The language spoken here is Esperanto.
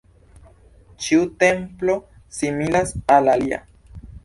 Ĉiu templo similas al la alia.